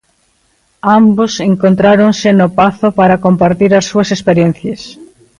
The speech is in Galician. Ambos encontráronse no Pazo para compartir as súas experiencias.